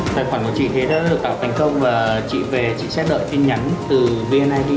tài khoản của chị đã được tạo thành công và chị sẽ đợi tin nhắn từ vnid